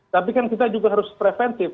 tapi kan kita juga harus preventif